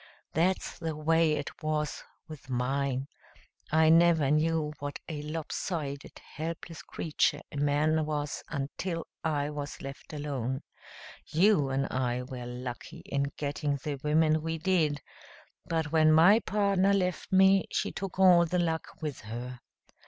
That's the way it was with mine. I never knew what a lopsided, helpless creature a man was until I was left alone. You and I were lucky in getting the women we did, but when my partner left me, she took all the luck with her.